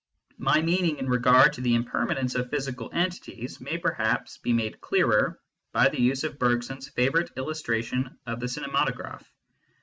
My meaning in regard to the impermanence of physical entities may perhaps be made clearer by the use of Berg son s favourite illustration of the cinematograph.